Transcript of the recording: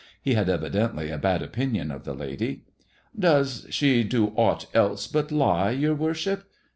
He had evidently a bad opinion of the lady. "Does she do aught else but lie, your worship?